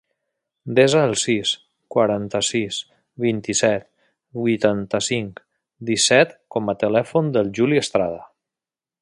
Desa el sis, quaranta-sis, vint-i-set, vuitanta-cinc, disset com a telèfon del Juli Estrada.